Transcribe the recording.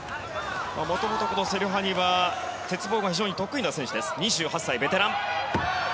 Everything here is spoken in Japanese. もともとセルハニは鉄棒が非常に得意な選手２８歳、ベテラン。